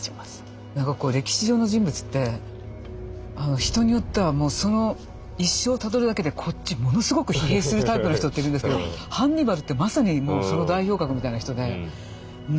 なんかこう歴史上の人物って人によってはその一生をたどるだけでこっちものすごく疲弊するタイプの人っているんですけどハンニバルってまさにその代表格みたいな人で。